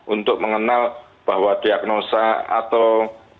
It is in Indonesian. untuk mengenal bahwa diagnosa atau